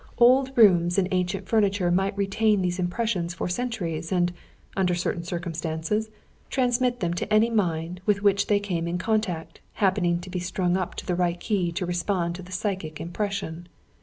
Old rooms and ancient furniture might retain these impressions for centuries; and, under certain circumstances, transmit them to any mind, with which they came in contact, happening to be strung up to the right key to respond to the psychic impression.